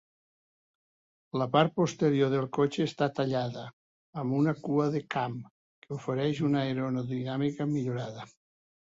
La part posterior del cotxe està "tallada" amb una "cua de Kamm" que ofereix una aerodinàmica millorada.